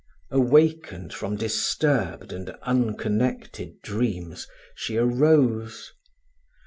Awakened from disturbed and unconnected dreams, she arose.